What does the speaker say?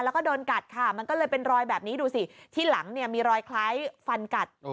แล้วก็โดนกัดค่ะมันก็เลยเป็นรอยแบบนี้ดูสิที่หลังเนี่ยมีรอยคล้ายฟันกัด